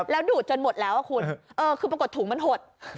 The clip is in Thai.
แล้วดูดจนหมดแล้วคุณคือปรากฏถุงมันหด